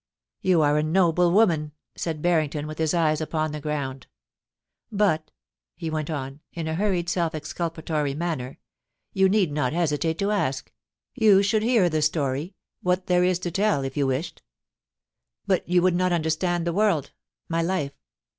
' You are a noble woman,* said Barrington, with his eyes upon the ground ' But,' he went on, in a hurried self exculpatory manner, *you need not hesitate to ask — ^you should hear the story, what there is to tell, if you wished But you would not understand the world— my life.